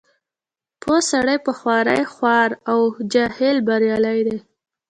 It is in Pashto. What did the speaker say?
پوه سړی په خوارۍ خوار او جاهل بریالی دی.